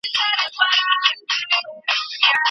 چي خپل کاروان مو د پردیو پر سالار سپارلی